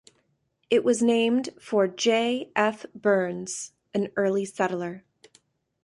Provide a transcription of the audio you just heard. It was named for J. F. Burns, an early settler.